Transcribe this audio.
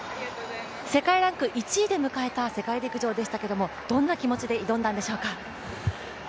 世界ランク１位で迎えた世界陸上でしたがどんな気持ちで挑んだんでしょうか。